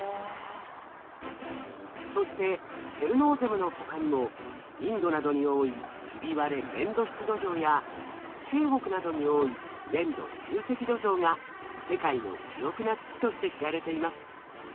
そしてチェルノーゼムの他にもインドなどに多いひび割れ粘土質土壌や中国などに多い粘土集積土壌が世界の肥沃な土として知られています。